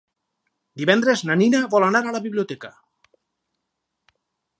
Divendres na Nina vol anar a la biblioteca.